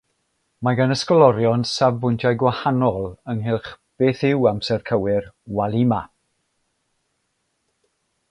Mae gan ysgolorion safbwyntiau gwahanol ynghylch beth yw amser cywir "walima".